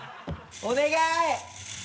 お願い！